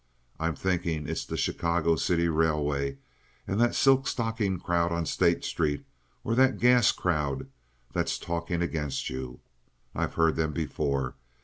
I'm thinking it's the Chicago City Railway and that silk stocking crowd on State Street or that gas crowd that's talking against you. I've heard them before.